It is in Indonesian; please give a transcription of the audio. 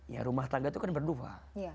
ya rumah tangga itu kan berdoa